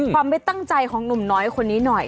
ไม่ตั้งใจของหนุ่มน้อยคนนี้หน่อย